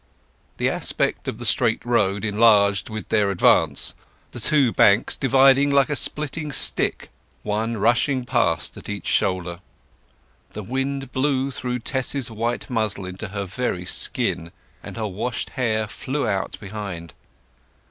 The aspect of the straight road enlarged with their advance, the two banks dividing like a splitting stick; one rushing past at each shoulder. The wind blew through Tess's white muslin to her very skin, and her washed hair flew out behind.